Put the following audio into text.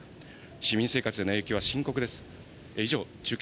市民生活への影響は深刻です。